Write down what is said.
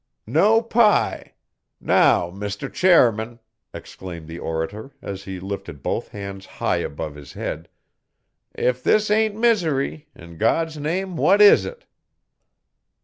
'No pie! Now, Mr Chairman!' exclaimed the orator, as he lifted both hands high above his head, 'If this ain't misery, in God's name, what is it?